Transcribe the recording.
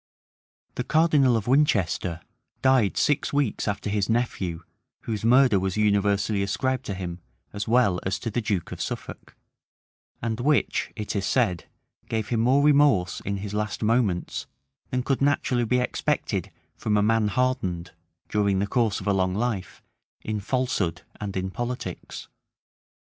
The cardinal of Winchester died six weeks after his nephew whose murder was universally ascribed to him as well as to the duke of Suffolk, and which, it is said, gave him more remorse in his last moments than could naturally be expected from a man hardened, during the course of a long life, in falsehood and in politics.